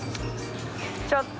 ちょっと。